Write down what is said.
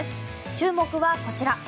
注目はこちら。